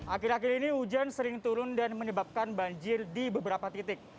akhir akhir ini hujan sering turun dan menyebabkan banjir di beberapa titik